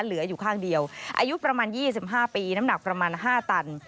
เหลืออยู่ข้างเดียวอายุประมาณ๒๕ปีน้ำหนักประมาณ๕ตัน